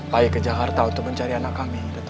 balik ke jakarta untuk mencari anak kami datu